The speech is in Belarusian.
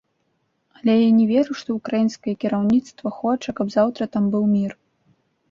Але я не веру, што ўкраінскае кіраўніцтва хоча, каб заўтра там быў мір.